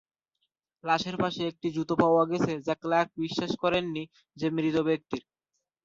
লাশের পাশে একটি জুতো পাওয়া গেছে, যা ক্লার্ক বিশ্বাস করেন নি যে মৃত ব্যক্তির।